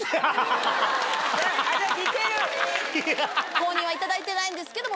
公認はいただいてないんですけども。